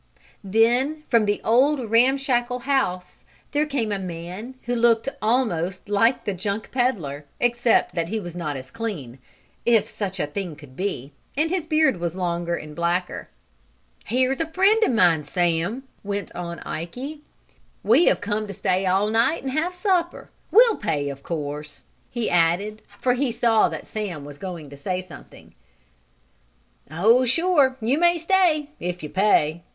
Then from the old, ramshackle house there came a man who looked almost like the junk peddler, except that he was not as clean, if such a thing could be, and his beard was longer and blacker. "Here's a friend of mine, Sam," went on Ikey. "We have come to stay all night and have supper. We'll pay, of course," he added, for he saw that Sam was going to say something. "Oh, sure you may stay if you pay!"